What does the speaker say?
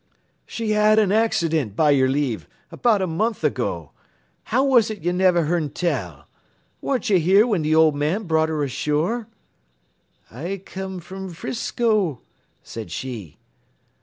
"'She had an accident, by yer lave, 'bout a month ago. How was it ye niver hearn tell? Waren't ye here whin th' old man brought her ashore?' "'I come from 'Frisco,' says she.